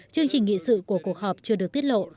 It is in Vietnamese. chương trình nghị sự của cuộc họp chưa được tiết lộ